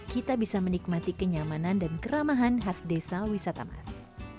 kita bisa menikmati kenyamanan dan keramahan khas desa wisata mas